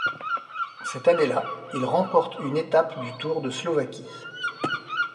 Cette année-là, il remporte une étape du Tour de Slovaquie.